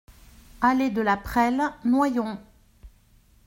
Allée de la Prele, Noyon